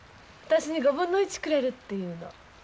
私に５分の１くれるって言うの。